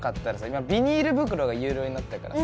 今ビニール袋が有料になったからさ